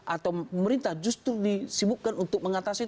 atau pemerintah justru disibukkan untuk mengatasi